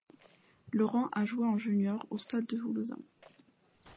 Laurent a joué en junior au Stade toulousain.